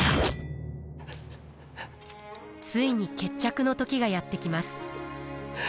ついに決着の時がやって来ます。